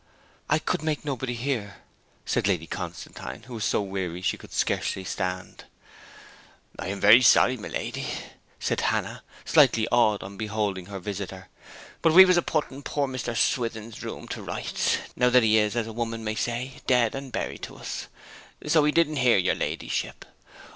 'I could make nobody hear,' said Lady Constantine, who was so weary she could scarcely stand. 'I am very sorry, my lady,' said Hannah, slightly awed on beholding her visitor. 'But we was a putting poor Mr. Swithin's room to rights, now that he is, as a woman may say, dead and buried to us; so we didn't hear your ladyship.